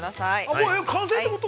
◆もう完成ってこと？